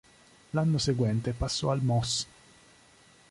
L'anno seguente, passò al Moss.